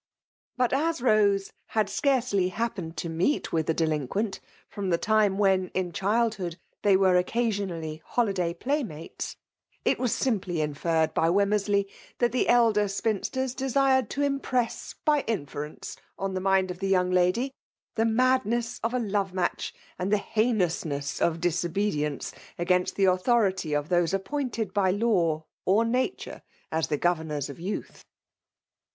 But as Bose had scarcely happened to meet with the delinquent from t)ie time when, in ehSdhood, they were occa^ sionaUy holiday playmates, it was simply in» fecred by Wemmersley that the elderly spin sters desired to impress by inference, on the mind of the young lady, the madness of a lovf^mateh, and the heinousness of disobedi* h3 ^ 154 F£MALE DOMUiATKW. ence against tlie audiority of iho&e appointed by law or nature as the governors of youth.